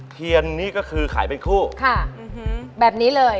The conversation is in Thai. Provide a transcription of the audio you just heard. ๕๓สีนี้คือนี้